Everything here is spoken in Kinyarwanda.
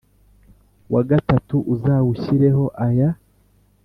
Wa gatatu uzawushyireho aya